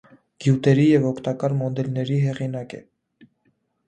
Գյուտերի և օգտակար մոդելների հեղինակ է։